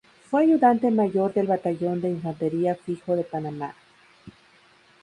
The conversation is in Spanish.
Fue ayudante mayor del batallón de infantería fijo de Panamá.